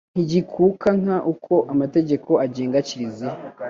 ntigikuka nk uko amategeko agenga kiliziya